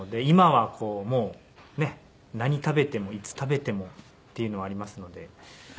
今はもうねっ何食べてもいつ食べてもっていうのはありますので。